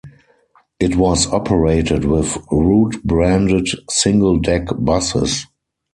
It was operated with route-branded single-deck buses.